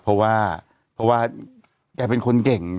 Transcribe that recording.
เพราะว่าแกเป็นคนเก่ง